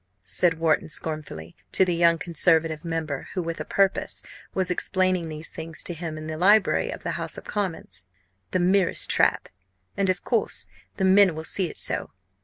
'" said Wharton, scornfully, to the young Conservative member who, with a purpose, was explaining these things to him in the library of the House of Commons, "the merest trap! and, of course, the men will see it so.